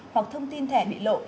hoặc thông tin thẻ bị lộ